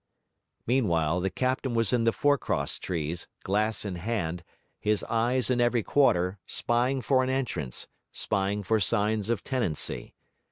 Meanwhile the captain was in the forecross trees, glass in hand, his eyes in every quarter, spying for an entrance, spying for signs of tenancy.